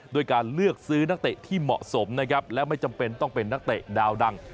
ด้วยการเลือกซื้อนักเตะที่เหมาะสมนะครับและไม่จำเป็นต้องเป็นนักเตะดาวดัง